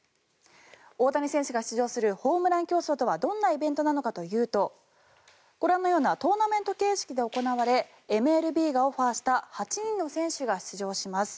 大谷選手が出場するホームラン競争とはどんなイベントなのかというとご覧のようなトーナメント形式で行われＭＬＢがオファーした８人の選手が出場します。